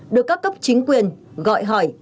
được các cấp chính quyền gọi hỏi